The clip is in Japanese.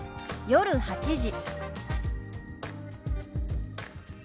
「夜８時」。